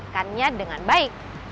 dan memperbaikannya dengan baik